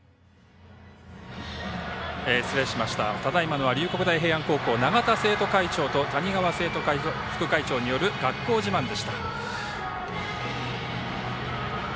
ただ今のは龍谷大平安高校永田生徒会長と谷川生徒副会長による学校自慢でした。